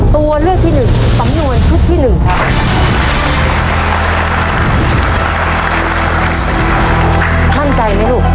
ท่านใจมั้ยลูก